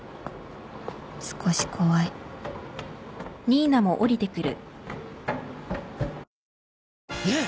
少し怖いねえ‼